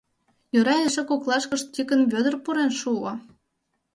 Йӧра эше коклашкышт Тикын Вӧдыр пурен шуо.